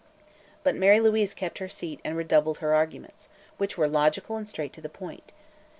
But Mary Louise kept her seat and redoubled her arguments, which were logical and straight to the point.